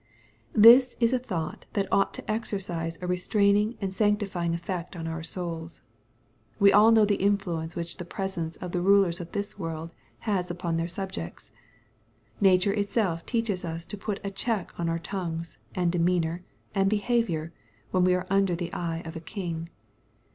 This is a thought that ought to exercise a restraining and sanctifying effect on our souls. We all know the influence which the presence of the rulers of this world has upon their subjects. Nature itself teaches us to put a check on our tongues, and demeanor, and behavior, when we are under the eye of a king.